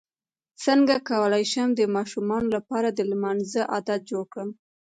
څنګه کولی شم د ماشومانو لپاره د لمانځه عادت جوړ کړم